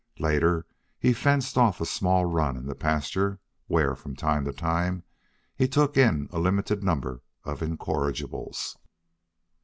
Later, he fenced off a small run in the pasture, where, from time to time, he took in a limited number of incorrigibles.